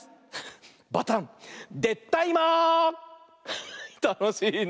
ハハたのしいね。